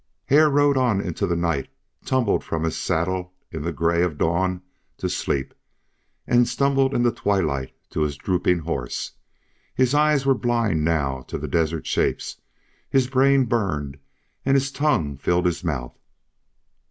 Hare rode on into the night, tumbled from his saddle in the gray of dawn to sleep, and stumbled in the twilight to his drooping horse. His eyes were blind now to the desert shapes, his brain burned and his tongue filled his mouth.